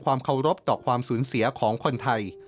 ความเคารพต่อความสูญเสียของคนไทย